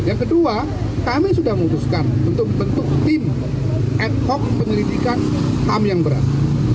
yang kedua kami sudah memutuskan untuk bentuk tim ad hoc penyelidikan ham yang berat